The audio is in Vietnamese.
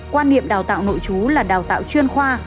quan niệm đào tạo nội chú là đào tạo chuyên khoa